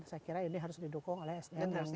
saya kira ini harus didukung oleh sdm yang mimpuni